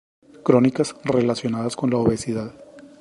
crónicas relacionadas con la obesidad